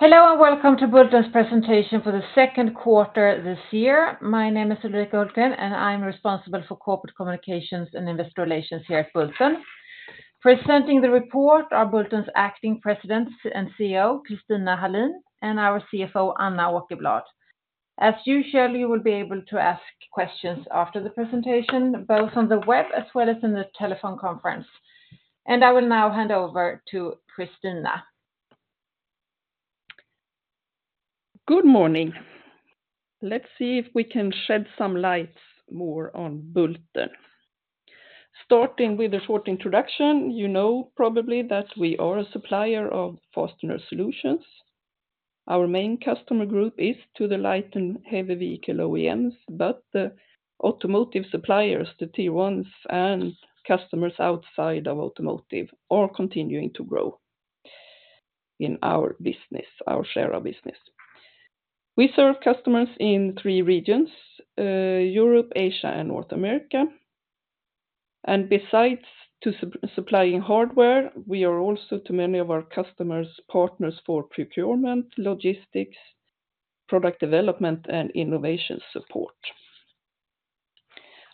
Hello and welcome to Bulten's presentation for the second quarter this year. My name is Ulrika Hultgren, and I'm responsible for corporate communications and investor relations here at Bulten. Presenting the report are Bulten's Acting President and CEO, Christina Hallin, and our CFO, Anna Åkerblad. As usual, you will be able to ask questions after the presentation, both on the web as well as in the telephone conference. I will now hand over to Christina. Good morning. Let's see if we can shed some light more on Bulten. Starting with a short introduction, you know probably that we are a supplier of fastener solutions. Our main customer group is to the light and heavy vehicle OEMs, but the automotive suppliers, the T1s, and customers outside of automotive are continuing to grow in our business, our share of business. We serve customers in three regions: Europe, Asia, and North America. Besides supplying hardware, we are also, to many of our customers, partners for procurement, logistics, product development, and innovation support.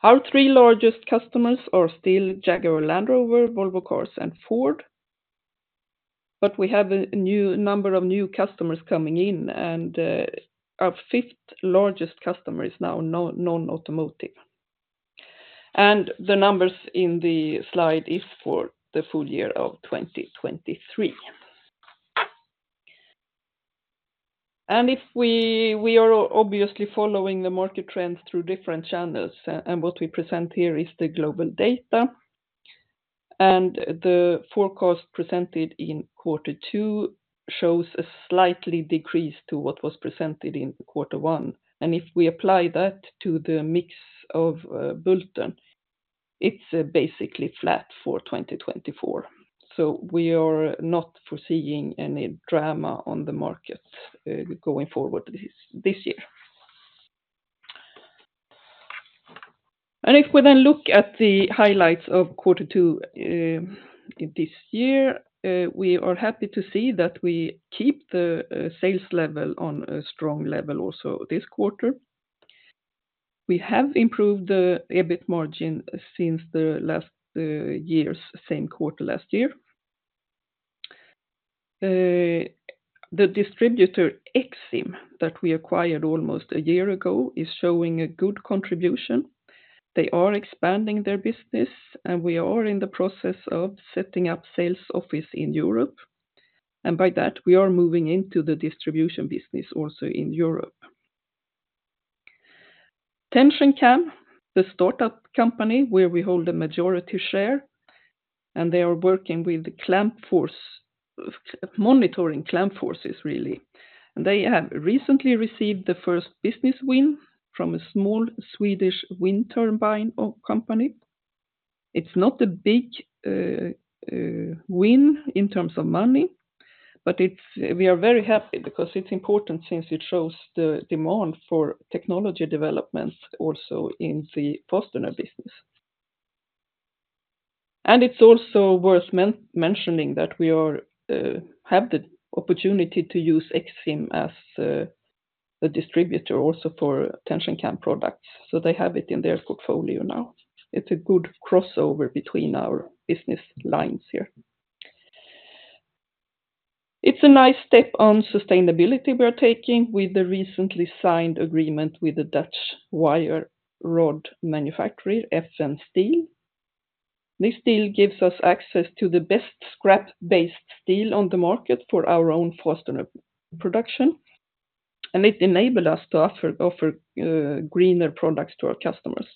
Our three largest customers are still Jaguar Land Rover, Volvo Cars, and Ford. But we have a new number of new customers coming in, and our fifth largest customer is now non-automotive. The numbers in the slide are for the full year of 2023. If we are obviously following the market trends through different channels, and what we present here is the global data. The forecast presented in quarter two shows a slight decrease to what was presented in quarter one. If we apply that to the mix of Bulten, it's basically flat for 2024. So we are not foreseeing any drama on the markets going forward this year. If we then look at the highlights of quarter two this year, we are happy to see that we keep the sales level on a strong level also this quarter. We have improved the EBIT margin since the last year's same quarter last year. The distributor Exim, that we acquired almost a year ago, is showing a good contribution. They are expanding their business, and we are in the process of setting up sales office in Europe. By that, we are moving into the distribution business also in Europe. TensionCam, the startup company where we hold a majority share, and they are working with the clamp force monitoring clamp forces, really. And they have recently received the first business win from a small Swedish wind turbine company. It's not a big win in terms of money, but we are very happy because it's important since it shows the demand for technology developments also in the fastener business. And it's also worth mentioning that we have the opportunity to use Exim as a distributor also for TensionCam products. So they have it in their portfolio now. It's a good crossover between our business lines here. It's a nice step on sustainability we are taking with the recently signed agreement with the Dutch wire rod manufacturer, FNsteel. This deal gives us access to the best scrap-based steel on the market for our own fastener production. It enabled us to offer greener products to our customers.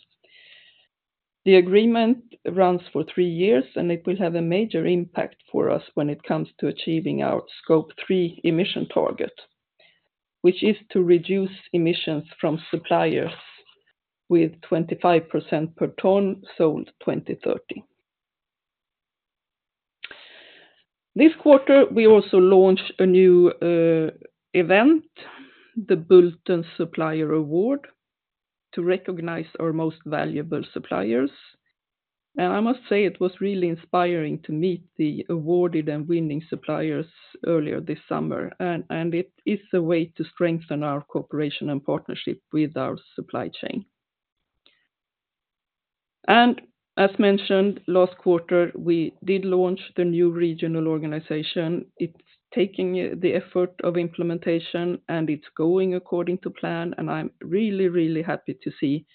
The agreement runs for three years, and it will have a major impact for us when it comes to achieving our scope 3 emission target, which is to reduce emissions from suppliers with 25% per ton sold 2030. This quarter, we also launched a new event, the Bulten Supplier Award, to recognize our most valuable suppliers. I must say it was really inspiring to meet the awarded and winning suppliers earlier this summer. It is a way to strengthen our cooperation and partnership with our supply chain. As mentioned, last quarter, we did launch the new regional organization. It's taking the effort of implementation, and it's going according to plan. I'm really, really happy to see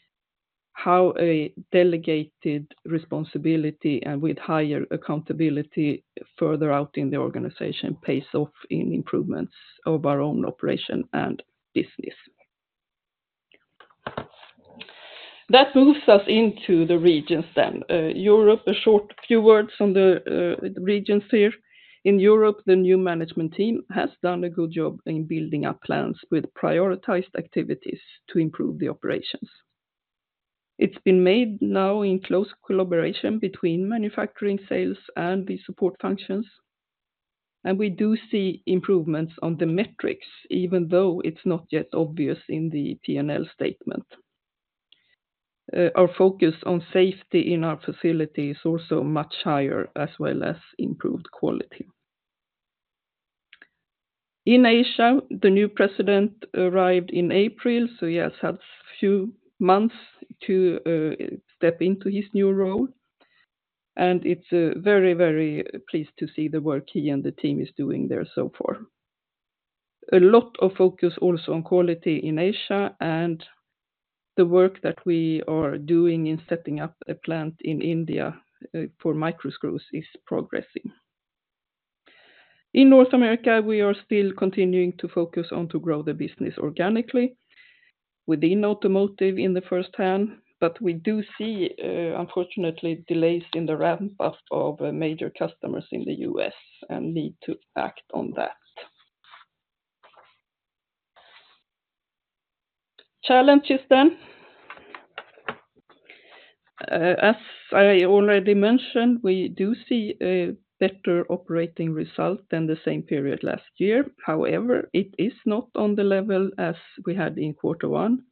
how a delegated responsibility and with higher accountability further out in the organization pays off in improvements of our own operation and business. That moves us into the regions then. Europe, a short few words on the regions here. In Europe, the new management team has done a good job in building up plans with prioritized activities to improve the operations. It's been made now in close collaboration between manufacturing, sales, and the support functions. We do see improvements on the metrics, even though it's not yet obvious in the P&L statement. Our focus on safety in our facility is also much higher, as well as improved quality. In Asia, the new president arrived in April, so he has had a few months to step into his new role. It's very, very pleased to see the work he and the team is doing there so far. A lot of focus also on quality in Asia, and the work that we are doing in setting up a plant in India for micro screws is progressing. In North America, we are still continuing to focus on to grow the business organically within automotive in the first hand. But we do see, unfortunately, delays in the ramp-up of major customers in the US and need to act on that. Challenges then. As I already mentioned, we do see a better operating result than the same period last year. However, it is not on the level as we had in quarter one,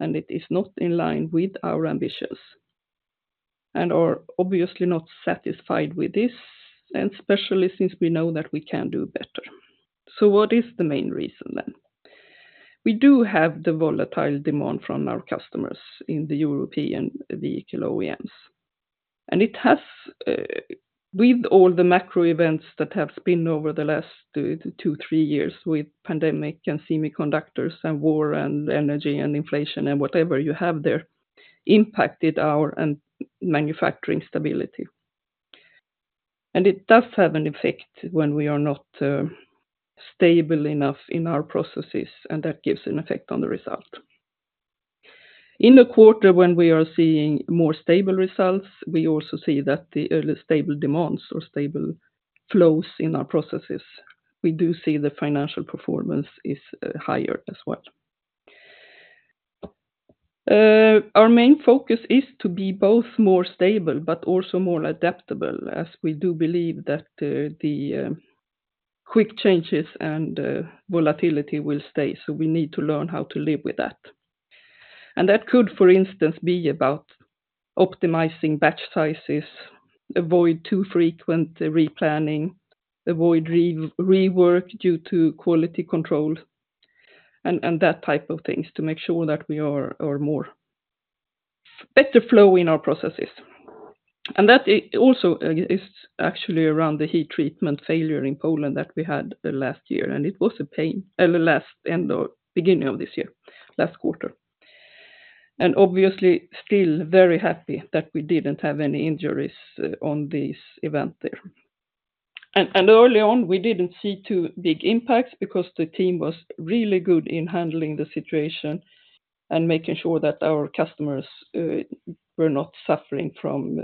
and it is not in line with our ambitions. We're obviously not satisfied with this, and especially since we know that we can do better. So what is the main reason then? We do have the volatile demand from our customers in the European vehicle OEMs. It has, with all the macro events that have been over the last two to three years with pandemic and semiconductors and war and energy and inflation and whatever you have there, impacted our manufacturing stability. It does have an effect when we are not stable enough in our processes, and that gives an effect on the result. In the quarter when we are seeing more stable results, we also see that the stable demands or stable flows in our processes, we do see the financial performance is higher as well. Our main focus is to be both more stable, but also more adaptable, as we do believe that the quick changes and volatility will stay. We need to learn how to live with that. That could, for instance, be about optimizing batch sizes, avoid too frequent replanning, avoid rework due to quality control, and that type of things to make sure that we are more better flow in our processes. That also is actually around the heat treatment failure in Poland that we had last year. It was a pain at the end of beginning of this year, last quarter. Obviously, still very happy that we didn't have any injuries on this event there. Early on, we didn't see too big impacts because the team was really good in handling the situation and making sure that our customers were not suffering from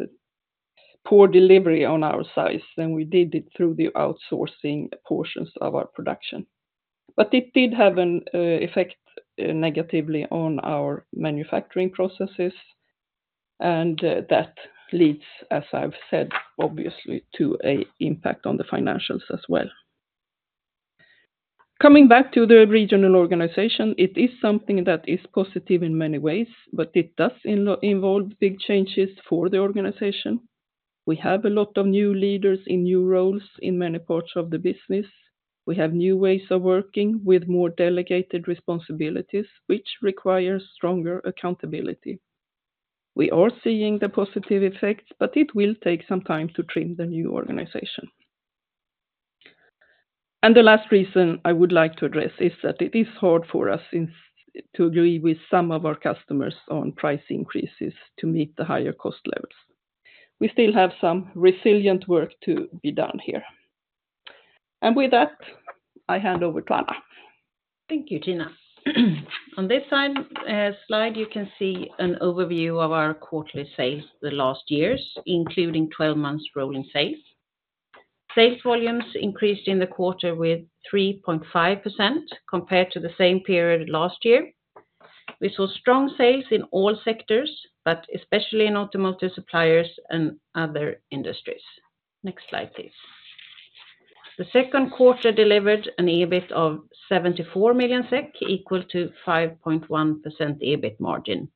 poor delivery on our sides. We did it through the outsourcing portions of our production. But it did have an effect negatively on our manufacturing processes. That leads, as I've said, obviously to an impact on the financials as well. Coming back to the regional organization, it is something that is positive in many ways, but it does involve big changes for the organization. We have a lot of new leaders in new roles in many parts of the business. We have new ways of working with more delegated responsibilities, which requires stronger accountability. We are seeing the positive effects, but it will take some time to trim the new organization. The last reason I would like to address is that it is hard for us to agree with some of our customers on price increases to meet the higher cost levels. We still have some resilient work to be done here. With that, I hand over to Anna. Thank you, Tina. On this slide, you can see an overview of our quarterly sales the last years, including 12 months' rolling sales. Sales volumes increased in the quarter with 3.5% compared to the same period last year. We saw strong sales in all sectors, but especially in automotive suppliers and other industries. Next slide, please. The second quarter delivered an EBIT of 74 million SEK, equal to 5.1% EBIT margin.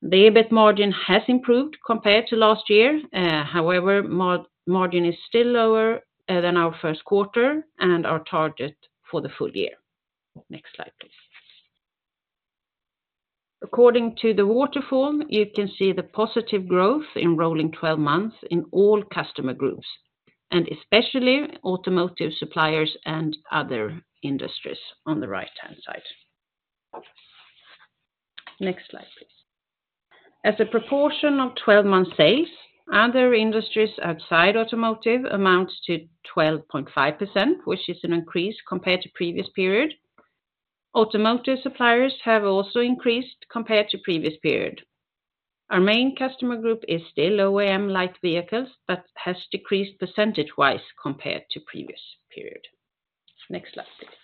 The EBIT margin has improved compared to last year. However, margin is still lower than our first quarter and our target for the full year. Next slide, please. According to the waterfall, you can see the positive growth in rolling 12 months in all customer groups, and especially automotive suppliers and other industries on the right-hand side. Next slide, please. As a proportion of 12-month sales, other industries outside automotive amount to 12.5%, which is an increase compared to the previous period. Automotive suppliers have also increased compared to the previous period. Our main customer group is still OEM-like vehicles, but has decreased percentage-wise compared to the previous period. Next slide, please.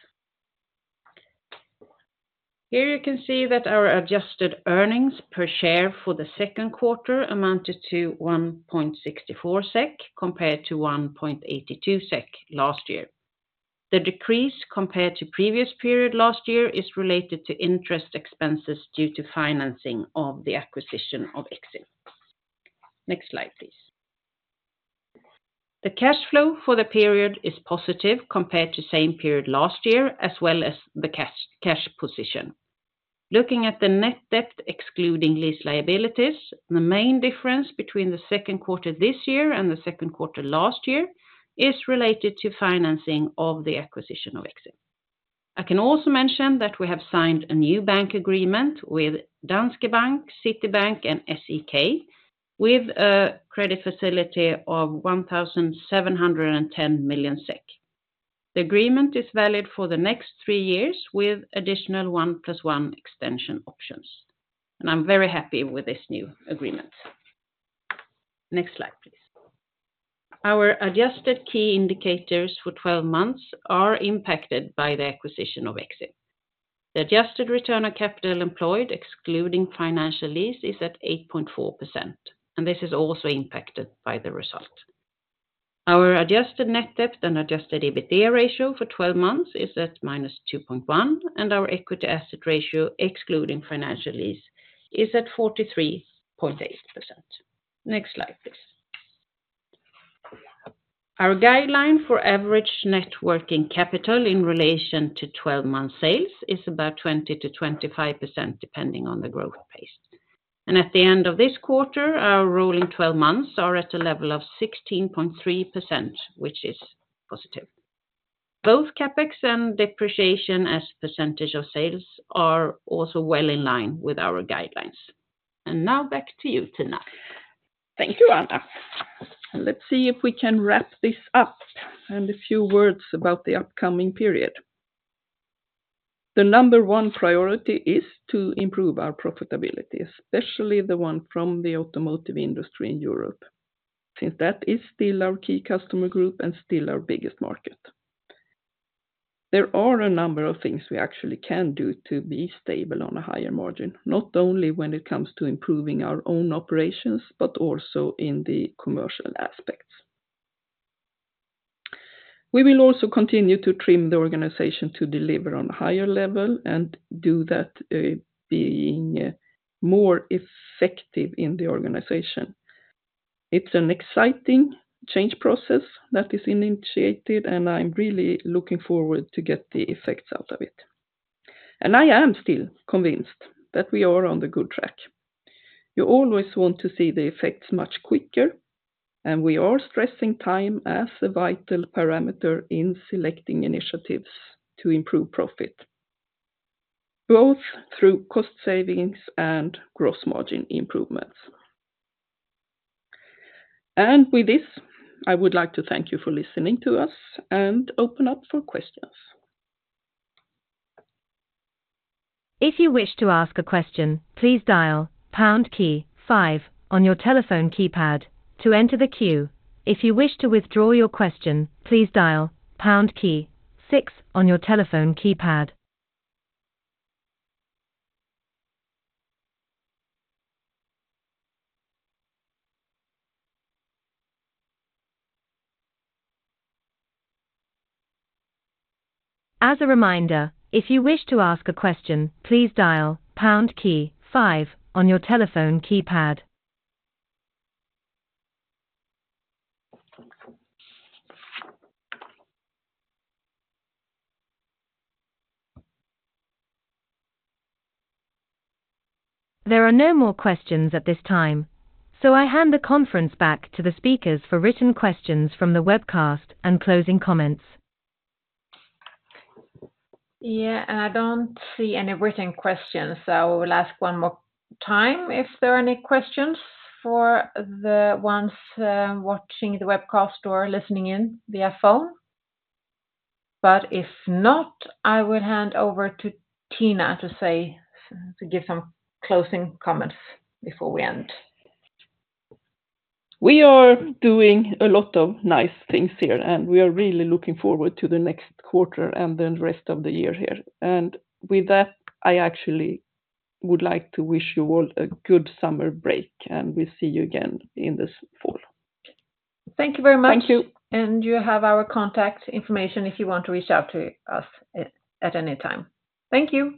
Here you can see that our adjusted earnings per share for the second quarter amounted to 1.64 SEK compared to 1.82 SEK last year. The decrease compared to the previous period last year is related to interest expenses due to financing of the acquisition of Exim. Next slide, please. The cash flow for the period is positive compared to the same period last year, as well as the cash position. Looking at the net debt excluding lease liabilities, the main difference between the second quarter this year and the second quarter last year is related to financing of the acquisition of Exim. I can also mention that we have signed a new bank agreement with Danske Bank, Citibank, and SEK, with a credit facility of 1,710 million SEK. The agreement is valid for the next three years with additional one-plus-one extension options. I'm very happy with this new agreement. Next slide, please. Our adjusted key indicators for 12 months are impacted by the acquisition of Exim. The adjusted return on capital employed, excluding financial lease, is at 8.4%. This is also impacted by the result. Our adjusted net debt and adjusted EBITDA ratio for 12 months is at -2.1, and our equity asset ratio, excluding financial lease, is at 43.8%. Next slide, please. Our guideline for average net working capital in relation to 12-month sales is about 20%-25%, depending on the growth pace. At the end of this quarter, our rolling 12 months are at a level of 16.3%, which is positive. Both CapEx and depreciation as a percentage of sales are also well in line with our guidelines. Now back to you, Tina. Thank you, Anna. Let's see if we can wrap this up and a few words about the upcoming period. The number one priority is to improve our profitability, especially the one from the automotive industry in Europe, since that is still our key customer group and still our biggest market. There are a number of things we actually can do to be stable on a higher margin, not only when it comes to improving our own operations, but also in the commercial aspects. We will also continue to trim the organization to deliver on a higher level and do that being more effective in the organization. It's an exciting change process that is initiated, and I'm really looking forward to get the effects out of it. I am still convinced that we are on the good track. You always want to see the effects much quicker, and we are stressing time as a vital parameter in selecting initiatives to improve profit, both through cost savings and gross margin improvements. With this, I would like to thank you for listening to us and open up for questions. If you wish to ask a question, please dial pound key five on your telephone keypad to enter the queue. If you wish to withdraw your question, please dial pound key six on your telephone keypad. As a reminder, if you wish to ask a question, please dial pound key five on your telephone keypad. There are no more questions at this time, so I hand the conference back to the speakers for written questions from the webcast and closing comments. Yeah, and I don't see any written questions, so I will ask one more time if there are any questions for the ones watching the webcast or listening in via phone. But if not, I will hand over to Tina to give some closing comments before we end. We are doing a lot of nice things here, and we are really looking forward to the next quarter and the rest of the year here. And with that, I actually would like to wish you all a good summer break, and we'll see you again in the fall. Thank you very much. And you have our contact information if you want to reach out to us at any time. Thank you.